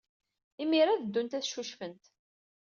Imir-a ad ddunt ad ccucfent.